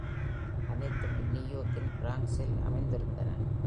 அனைத்தும் நியூயார்க்கின் பிராங்ஸ்சில் அமைந்திருந்தன.